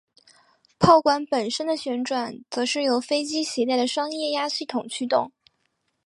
炮管本身的旋转则是由飞机携带的双液压系统驱动。